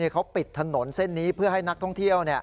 เขาปิดถนนเส้นนี้เพื่อให้นักท่องเที่ยว